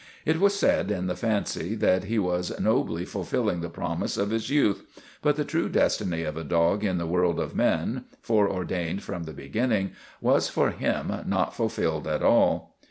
It was said in the fancy that he was nobly fulfilling the promise of his youth, but the true destiny of a dog in the world of men, fore ordained from the beginning, was for him not ful filled at all.